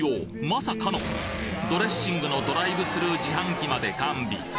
まさかのドレッシングのドライブスルー自販機まで完備